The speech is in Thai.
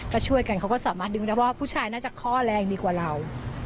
ก็ช่วยกันเขาก็สามารถดึงได้ว่าผู้ชายน่าจะข้อแรงดีกว่าเรา